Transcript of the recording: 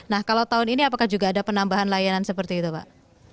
nah kalau tahun ini apakah juga ada penambahan layanan seperti itu pak